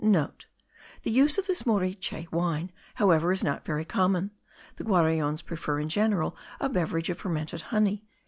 (* The use of this moriche wine however is not very common. The Guaraons prefer in general a beverage of fermented honey.)